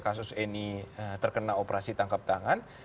kasus eni terkena operasi tangkap tangan